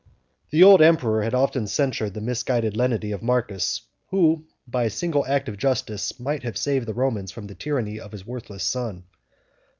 15 The old emperor had often censured the misguided lenity of Marcus, who, by a single act of justice, might have saved the Romans from the tyranny of his worthless son.